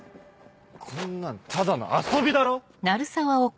こんなんただの遊びだろ！